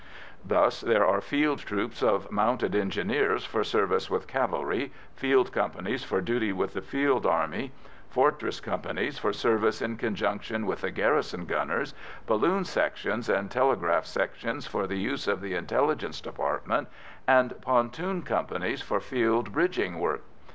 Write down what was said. Thus there are field troops of mounted engineers for service with cavalry, field companies for duty with the field army, fortress companies for service in conjunction with the garrison gunners, balloon sections and telegraph sections for the use of the intelligence department, and pontoon companies for field bridging work.